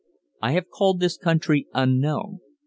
I have called this country unknown.